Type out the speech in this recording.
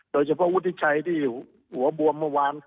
เฉพาะวุฒิชัยที่หัวบวมเมื่อวาน